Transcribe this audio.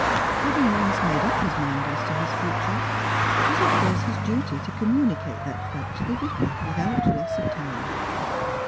Having once made up his mind as to his future, it was of course his duty to communicate that fact to the Vicar without loss of time.